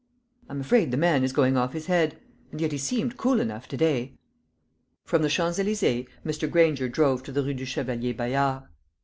"I'm afraid the man is going off his head; and yet he seemed cool enough to day." From the Champs Elysees Mr. Granger drove to the Rue du Chevalier Bayard.